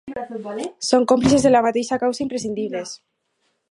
Som còmplices de la mateixa causa, imprescindibles.